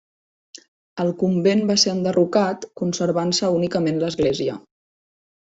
El convent va ser enderrocat conservant-se únicament l'església.